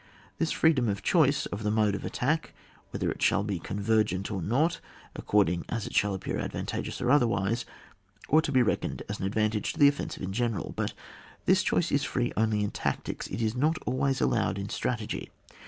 This free dom of choice of the mode of attack, whether it shall be convergent or not, according as it shall appear advantageous or otherwise, ought to be reckoned as an advantage to the offensive in general. But this choice is free only in tactics ; it is not always allowed in strategy.